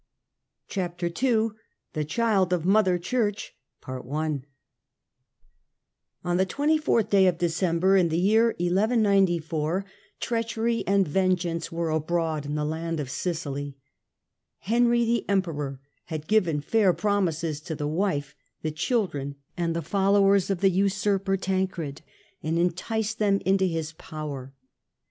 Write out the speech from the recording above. Chapter II THE CHILD OF MOTHER CHURCH ON the 24th day of December, in the year 1 194, treachery and vengeance were abroad in the land of Sicily. Henry the Emperor had given fair promises to the wife, the children and the followers of the usurper Tancred, and enticed them into his power.